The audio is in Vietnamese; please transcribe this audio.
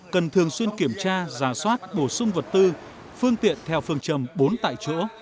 cần thường xuyên kiểm tra giả soát bổ sung vật tư phương tiện theo phương châm bốn tại chỗ